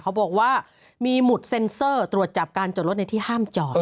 เขาบอกว่ามีหมุดเซ็นเซอร์ตรวจจับการจดรถในที่ห้ามจอด